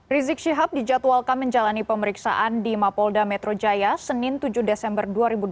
rizik syihab dijadwalkan menjalani pemeriksaan di mapolda metro jaya senin tujuh desember dua ribu dua puluh